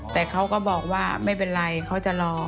แต่เขาก็บอกว่าไม่เป็นไรเขาจะรอ